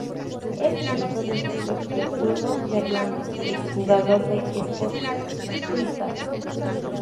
Es nieto de Víctor ‘El Zurdo’ Fernández, ex jugador de Sporting Cristal.